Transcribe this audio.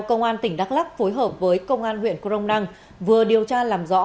công an tỉnh đắk lắc phối hợp với công an huyện crong năng vừa điều tra làm rõ